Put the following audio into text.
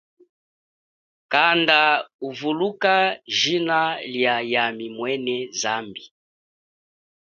Kanda uvuluka jina lia yami mwene zambi.